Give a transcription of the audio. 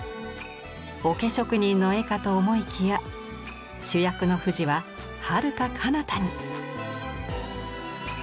おけ職人の絵かと思いきや主役の富士ははるか彼方に。